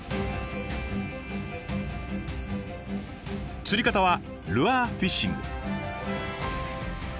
釣り方はルアーフィッシング。